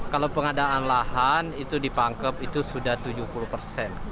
kalau pengadaan lahan itu dipangkep itu sudah tujuh puluh persen